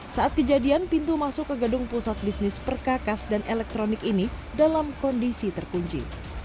saat kejadian pintu masuk ke gedung pusat bisnis perkakas dan elektronik ini dalam kondisi terkunci